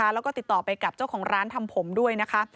แล้วก็ติดต่อไปกับเจ้าของร้านทำผมด้วยนะคะ